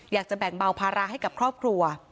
อยากจะแบ่งเบาภาระให้กับครอบครัว